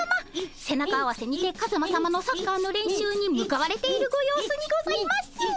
背中合わせにてカズマさまのサッカーの練習に向かわれているご様子にございます。